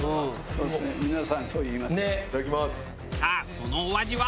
さあそのお味は？